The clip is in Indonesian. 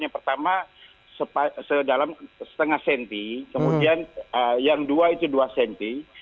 yang pertama dalam setengah senti kemudian yang dua itu dua senti